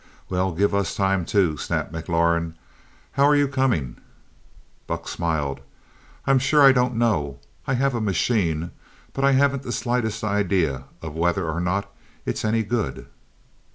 "Well, give us time, too," snapped McLaurin. "How are you coming?" Buck smiled. "I'm sure I don't know. I have a machine but I haven't the slightest idea of whether or not it's any good."